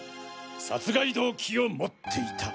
殺害動機を持っていた。